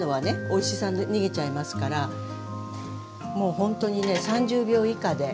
おいしさ逃げちゃいますからもうほんとにね３０秒以下で。